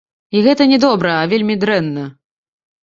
І гэта не добра, а вельмі дрэнна.